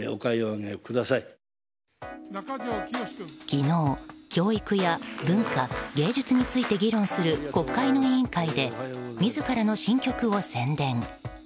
昨日、教育や文化・芸術について議論する国会の委員会で自らの新曲を宣伝。